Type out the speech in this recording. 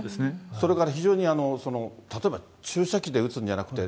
それから非常に例えば、注射器で打つんじゃなくて、